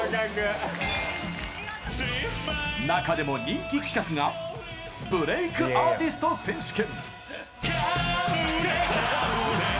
中でも人気企画がブレイクアーティスト選手権。